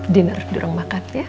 dinner dulu makan ya